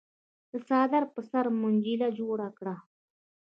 د څادر نه په سر منجيله جوړه کړه۔